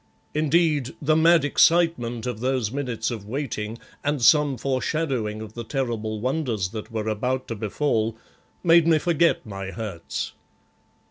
Indeed, the mad excitement of those minutes of waiting, and some foreshadowing of the terrible wonders that were about to befall, made me forget my hurts.